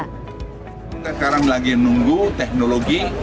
kita sekarang lagi nunggu teknologi